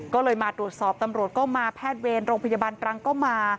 ก็เลยมาตรวจสอบตำรวจก็มาแพทย์เวรโรงพยาบาลตรังก็มา